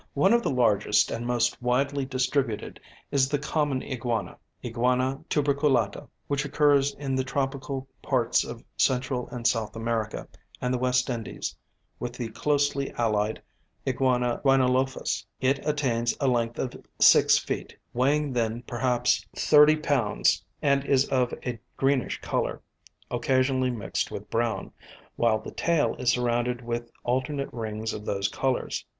] One of the largest and most widely distributed is the common iguana (Iguana tuberculata), which occurs in the tropical parts of Central and South America and the West Indies, with the closely allied I. rhinolophus. It attains a length of 6 ft., weighing then perhaps 30 lb., and is of a greenish colour, occasionally mixed with brown, while the tail is surrounded with alternate rings of those colours.